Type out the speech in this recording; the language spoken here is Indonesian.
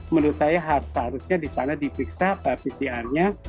menurut saya harusnya di sana diperiksa pcr nya